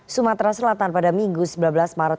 sumatera selatan pada minggu sembilan belas maret